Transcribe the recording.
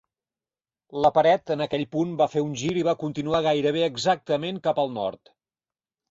La paret, en aquell punt, va fer un gir i va continuar gairebé exactament cap al nord.